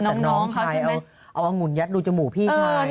ของน้องชายเอาองุ่นยัดรูจมูกพี่ชาย